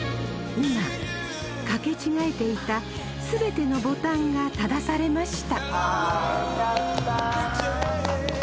今かけ違えていた全てのボタンが正されました